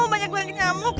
banyak banget nyamuk